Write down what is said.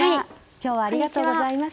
今日はありがとうございます。